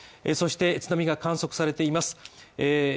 そして津波が観測されています。